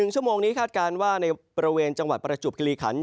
ชั่วโมงนี้คาดการณ์ว่าในบริเวณจังหวัดประจวบคิริขัน